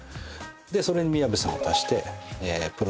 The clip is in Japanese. でそれに宮部さんを足してプロデュース。